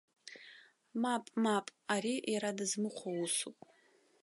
Мап, мап, ари иара дызмыхәо усуп!